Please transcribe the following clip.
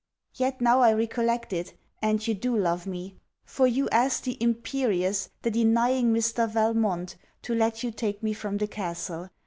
Yet now I recollect it, and you do love me; for you asked the imperious, the denying Mr. Valmont, to let you take me from the castle.